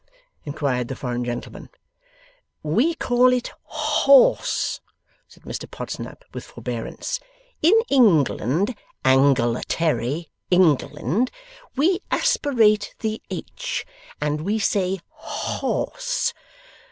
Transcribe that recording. inquired the foreign gentleman. 'We call it Horse,' said Mr Podsnap, with forbearance. 'In England, Angleterre, England, We Aspirate the "H," and We Say "Horse."